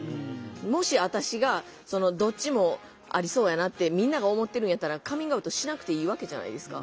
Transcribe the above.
もし私がどっちもありそうやなってみんなが思ってるんやったらカミングアウトしなくていいわけじゃないですか。